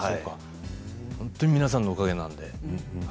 本当に皆さんのおかげなので。